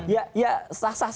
ya sah sah saja